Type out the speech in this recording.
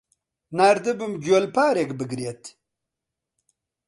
ناردبووم گوێلپارێک بگرێت.